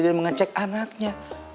dan mengecek anaknya